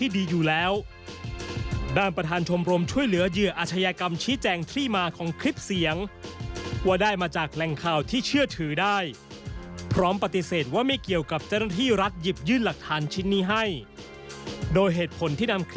โดยเหตุผลที่นำคลิปเสียงมาเผยแพร่